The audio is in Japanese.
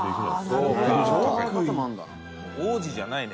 タカ：王子じゃないね